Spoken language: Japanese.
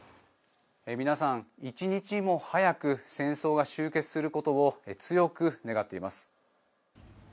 皆さん、一日も早く戦争が終結することを強く願っています。